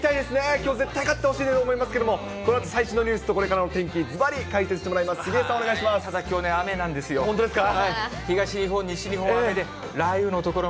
きょう、絶対勝ってほしいと思いますけれども、このあと最新のニュースとこれからの天気、ずばり解説してもらいます、杉江さん、お願いしただね、本当ですか？